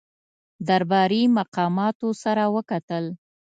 درباري مقاماتو سره وکتل.